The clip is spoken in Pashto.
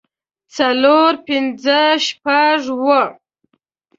څلور پنځۀ شپږ اووه